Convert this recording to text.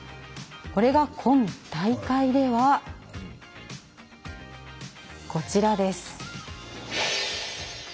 これが今大会では、こちらです。